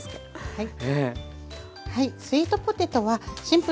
はい。